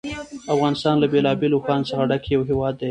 افغانستان له بېلابېلو اوښانو څخه ډک یو هېواد دی.